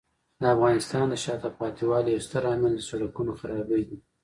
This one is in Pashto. د افغانستان د شاته پاتې والي یو ستر عامل د سړکونو خرابۍ دی.